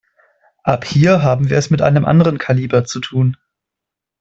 Aber hier haben wir es mit einem anderen Kaliber zu tun.